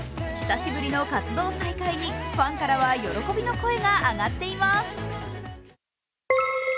久しぶりの活動再開にファンからは喜びの声が上がっています。